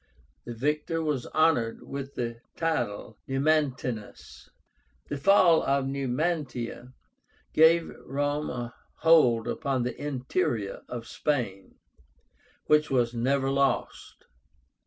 The victor was honored with the title of NUMANTÍNUS. The fall of Numantia gave Rome a hold upon the interior of Spain, which was never lost.